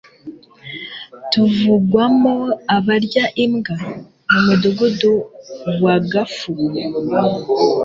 tuvugwamo abarya imbwa. mu mudugudu wa gafuku